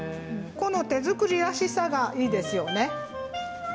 この手作りらしさがいいですよね。